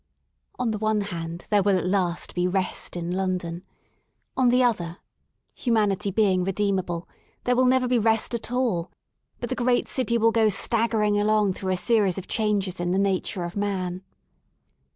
On the one hand there will at last be Rest in London; on the other — humanity being re i68 REST IN LONDON deemable — there will never be rest at all, but the great city will go staggering along through a series of changes in the nature of man.